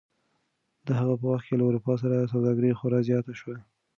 د هغه په وخت کې له اروپا سره سوداګري خورا زیاته شوه.